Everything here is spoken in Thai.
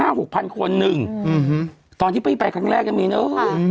หกพันคนหนึ่งอืมตอนที่พี่ไปครั้งแรกยังมีเนอะ